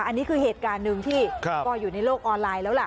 อันนี้คือเหตุการณ์หนึ่งที่ก็อยู่ในโลกออนไลน์แล้วล่ะ